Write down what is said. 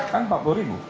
kan rp empat